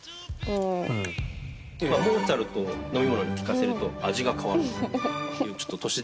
モーツァルトを飲み物に聴かせると味が変わるというちょっと都市伝説めいた。